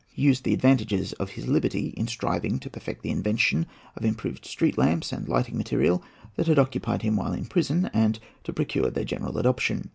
He used the advantages of his liberty in striving to perfect the invention of improved street lamps and lighting material that had occupied him while in prison, and to procure their general adoption.